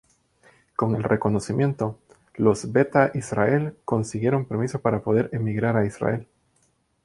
Con el reconocimiento, los Beta Israel consiguieron permiso para poder emigrar a Israel.